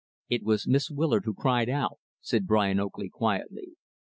"It was Miss Willard who cried out," said Brian Oakley, quietly.